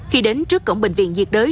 khi đến trước cổng bệnh viện diệt đới